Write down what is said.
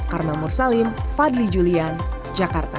karma mursalim fadli julian jakarta